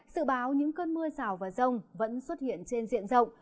sự báo những cơn mưa rào và rông vẫn xuất hiện trên diện rộng